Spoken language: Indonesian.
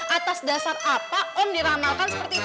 atas dasar apa om diramalkan seperti itu